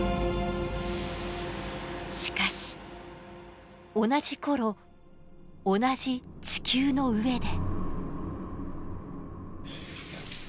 しかし同じ頃同じ地球の上で。